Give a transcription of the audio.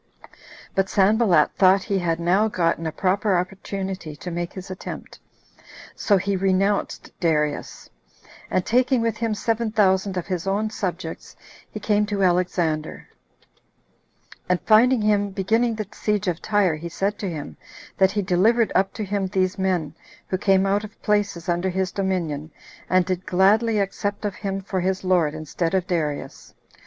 4. But Sanballat thought he had now gotten a proper opportunity to make his attempt, so he renounced Darius, and taking with him seven thousand of his own subjects, he came to Alexander; and finding him beginning the siege of Tyre, he said to him, that he delivered up to him these men, who came out of places under his dominion, and did gladly accept of him for his lord instead of Darius.